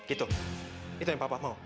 itu yang papa mau